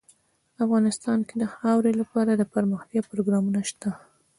افغانستان کې د خاوره لپاره دپرمختیا پروګرامونه شته.